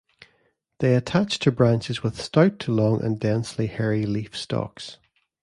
They attach to branches with stout to long and densely hairy leaf stalks.